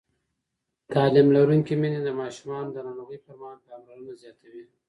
تعلیم لرونکې میندې د ماشومانو د ناروغۍ پر مهال پاملرنه زیاتوي.